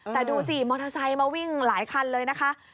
แต่ดูสิมอเตอร์ไซค์มาวิ่งหลายคันเลยนะคะ